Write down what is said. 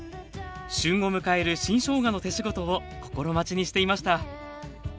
旬を迎える新しょうがの「手仕事」を心待ちにしていました